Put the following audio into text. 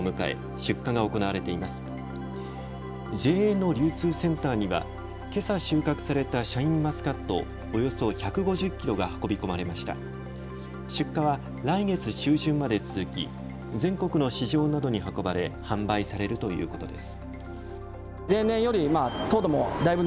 出荷は来月中旬まで続き、全国の市場などに運ばれ販売されるということです。